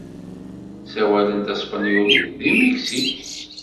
Ssawalen taspenyulit deg Miksik?